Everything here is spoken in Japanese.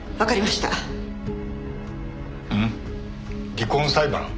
離婚裁判？